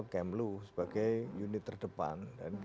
kemlu sebagai unit terdepan